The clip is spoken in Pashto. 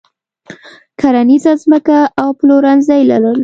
کرنیزه ځمکه او پلورنځي لرل.